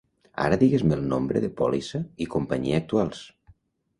Ara digues-me el nombre de pòlissa i companyia actuals.